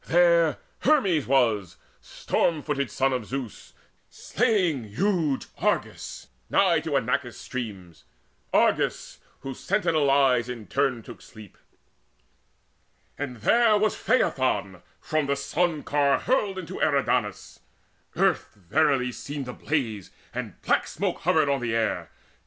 There Hermes was, storm footed Son of Zeus, Slaying huge Argus nigh to Inachus' streams, Argus, whose sentinel eyes in turn took sleep. And there was Phaethon from the Sun car hurled Into Eridanus. Earth verily seemed Ablaze, and black smoke hovered on the air.